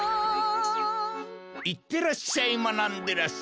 いってらっしゃいまなんでらっしゃい。